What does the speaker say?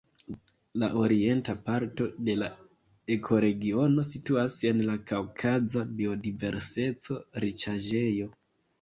La orienta parto de la ekoregiono situas en la kaŭkaza biodiverseco-riĉaĵejo.